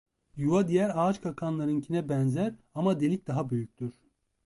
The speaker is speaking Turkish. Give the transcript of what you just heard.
Yuva diğer ağaçkakanlarınkine benzer ama delik daha büyüktür.